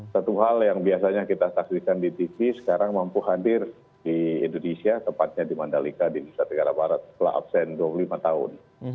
satu hal yang biasanya kita saksikan di tv sekarang mampu hadir di indonesia tepatnya di mandalika di nusa tenggara barat setelah absen dua puluh lima tahun